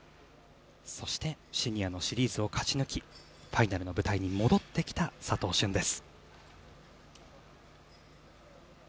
そしてシニアのシリーズを勝ち抜きファイナルの舞台に戻ってきた佐藤駿です。